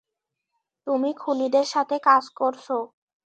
তুমি খুনিদের সাথে কাজ করছ?